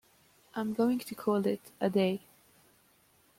I'm going to call it a day.